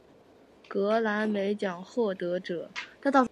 格莱美奖获得者。